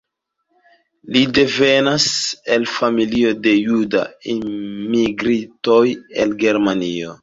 Li devenas el familio de juda enmigrintoj el Germanio.